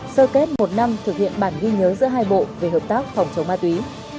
sơ kết một năm thực hiện bản ghi nhớ giữa hai bộ về hợp tác phòng chống ma túy